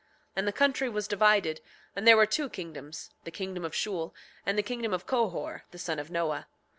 7:20 And the country was divided; and there were two kingdoms, the kingdom of Shule, and the kingdom of Cohor, the son of Noah.